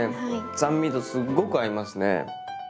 酸味とすっごく合いますね！